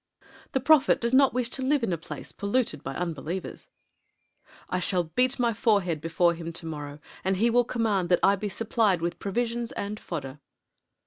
The prophet does not wish to live in a place polluted by unbelievers." "I shall beat my forehead before him to morrow, and he will command that I be supplied with provisions and fodder."